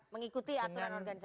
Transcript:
mengikuti aturan organisasi